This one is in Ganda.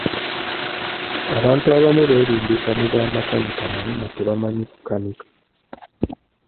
Abantu abamu beerimbika mu bwa makanika naye nga tebamanyi kukanika.